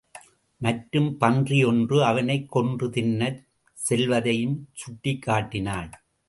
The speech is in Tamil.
மற்றும் பன்றி ஒன்று அவனைக் கொன்று தின்னச் செல்வதையும் சுட்டிக் காட்டினாள்.